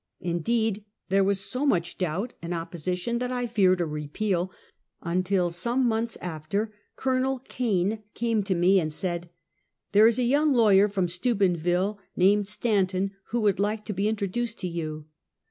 Indeed, there was so much doubt and opposi tion that I feared a repeal, until some months after Col. Kane came to me and said: " There is a young lawyer from Steubenville named Stanton who would like to be introduced to you."